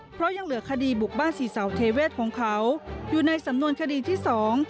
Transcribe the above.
เพราะยังเหลือคดีบุกบ้านศรีเสาเทเวศของเขาอยู่ในสำนวนคดีที่สอง